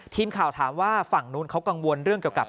ทีมข่าวถามว่าฝั่งนู้นเขากังวลเรื่องเกี่ยวกับ